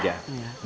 banyak yang mau